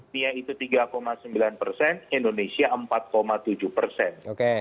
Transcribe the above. nia itu tiga sembilan persen indonesia empat tujuh persen